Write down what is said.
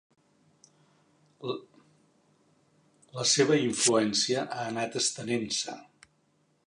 La seva influència ha anat estenent-se.